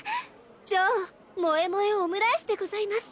超萌え萌えオムライスでございます